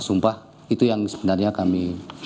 sumpah itu yang sebenarnya kami